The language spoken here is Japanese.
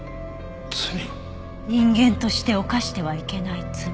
人間として犯してはいけない罪？